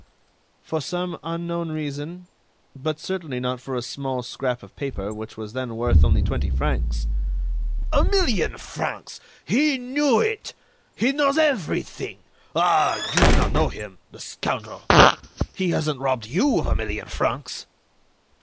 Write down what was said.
"For some unknown reason; but certainly not for a small scrap of paper which was then worth only twenty francs." "A million francs! He knew it;... he knows everything! Ah! you do not know him—the scoundrel!... He hasn't robbed you of a million francs!"